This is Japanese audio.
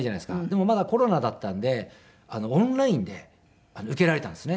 でもまだコロナだったんでオンラインで受けられたんですね。